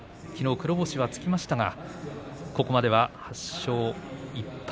黒星がつきましたがここまでは８勝１敗。